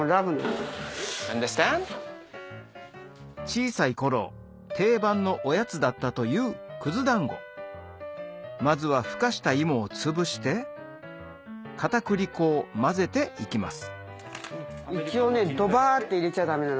小さい頃定番のおやつだったというくず団子まずはふかしたイモをつぶして片栗粉を混ぜていきます